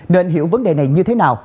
nên hiểu vấn đề này như thế nào